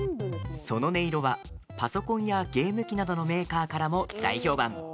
その音色は、パソコンやゲーム機などのメーカーからも大評判。